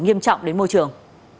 nghiêm trọng đến môi trường